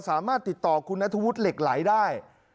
สามารถติดต่อคุณนัทวุฒิเหล็กไหลได้